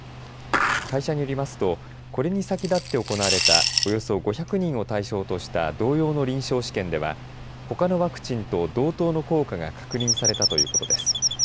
会社によりますとこれに先立って行われたおよそ５００人を対象とした同様の臨床試験ではほかのワクチンと同等の効果が確認されたということです。